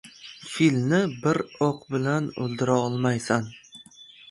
• Filni bir o‘q bilan o‘ldira olmaysan.